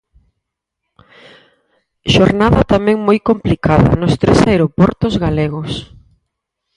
Xornada tamén moi complicada nos tres aeroportos galegos.